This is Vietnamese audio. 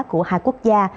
của hai quốc gia